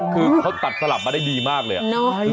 คือเขาตัดสลับมาได้ดีมากเลย